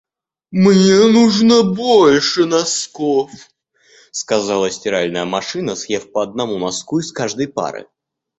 «Мне нужно больше носков!» — сказала стиральная машина, съев по одному носку из каждой пары.